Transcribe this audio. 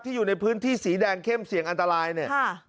อยู่ในพื้นที่สีแดงเข้มเสี่ยงอันตรายเนี่ย